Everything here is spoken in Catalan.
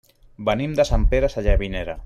Venim de Sant Pere Sallavinera.